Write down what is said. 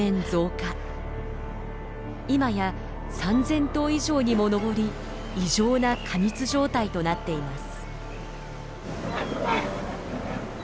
今や３，０００頭以上にも上り異常な過密状態となっています。